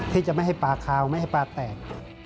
ที่จะไม่ให้ปลาคาวไม่ให้ปลาแตก